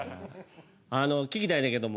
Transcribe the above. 聞きたいねんけども。